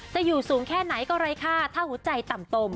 จะอยู่สูงแค่ไหนก็ไร้ค่าถ้าหัวใจต่ำตม